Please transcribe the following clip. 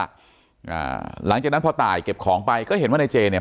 อ่าหลังจากนั้นพอตายเก็บของไปก็เห็นว่าในเจเนี่ย